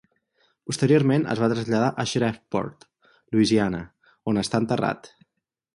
Posteriorment es va traslladar a Shreveport, Louisiana, on està enterrat.